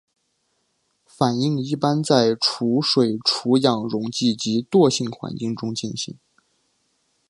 反应一般在除水除氧溶剂及惰性环境中进行。